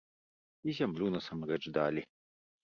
І зямлю насамрэч далі.